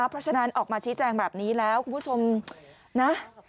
เพราะฉะนั้นออกมาชี้แจงแบบนี้แล้วคุณผู้ชมนะ